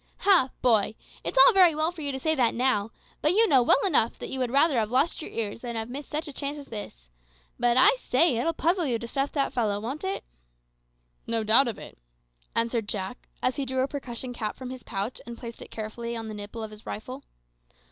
"Ha, boy! it's all very well for you to say that now, but you know well enough that you would rather have lost your ears than have missed such a chance as this. But, I say, it'll puzzle you to stuff that fellow, won't it?" "No doubt of it," answered Jack, as he drew a percussion cap from his pouch, and placed it carefully on the nipple of his rifle.